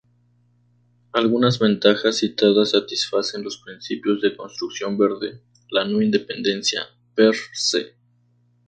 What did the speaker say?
Algunas ventajas citadas satisfacen los principios de construcción verde, la no independencia per se.